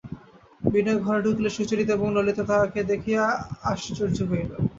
বিনয় ঘরে ঢুকিলে সুচরিতা এবং ললিতা তাহাকে দেখিয়া আশ্চর্য হইল।